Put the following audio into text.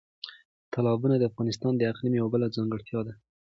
تالابونه د افغانستان د اقلیم یوه بله ځانګړتیا ده.